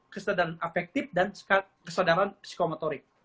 kesadaran afektif dan kesadaran psikomotorik